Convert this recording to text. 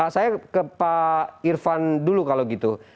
saya ke pak irfan dulu kalau gitu